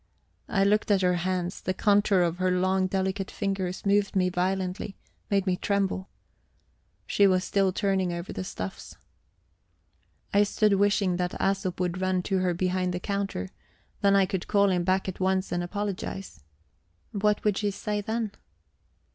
I looked at her hands; the contour of her long, delicate fingers moved me violently, made me tremble. She was still turning over the stuffs. I stood wishing that Æsop would run to her behind the counter then I could call him back at once and apologise. What would she say then?